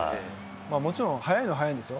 もちろん、速いのは速いんですよ。